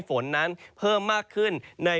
ฝนนั้นเพิ่มมากขึ้น